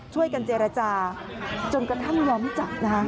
ช่วยกันเจรจาจนกระทั่งย้อมจับนะคะ